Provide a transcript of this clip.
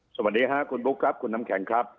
สวัสดีค่ะคุณบุ๊คครับคุณน้ำแข็งครับ